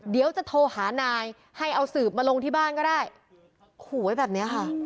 เดี๋ยวจะโทรหานายให้เอาสืบมาลงที่บ้านก็ได้ขู่ไว้แบบนี้ค่ะ